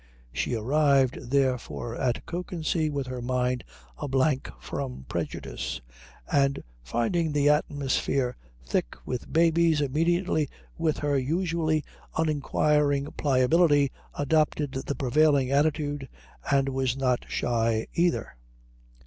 She arrived, therefore, at Kökensee with her mind a blank from prejudice, and finding the atmosphere thick with babies immediately with her usual uninquiring pliability adopted the prevailing attitude and was not shy either.